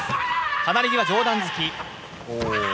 離れ技、上段突き！